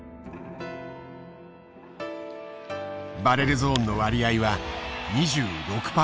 バレルゾーンの割合は２６％。